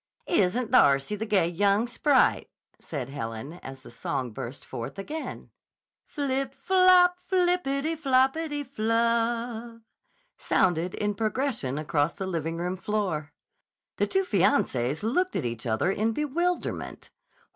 "Isn't Darcy the gay young sprite!" said Helen as the song burst forth again. "Flip flop, flippity floppity flub" sounded in progression across the living room floor. The two fiancées looked at each other in bewilderment.